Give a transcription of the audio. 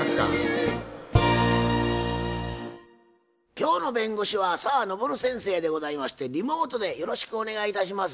今日の弁護士は澤登先生でございましてリモートでよろしくお願いいたします。